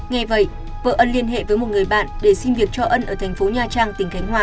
nghe vậy vợ ân liên hệ với một người bạn để xin việc cho ân ở thành phố nha trang tỉnh khánh hòa